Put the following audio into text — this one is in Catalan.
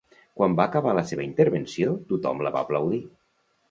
Quan va acabar la seva intervenció, tothom la va aplaudir.